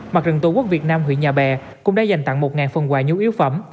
mặt trận tổ quốc việt nam huyện nhà bè cũng đã dành tặng một phần quà nhu yếu phẩm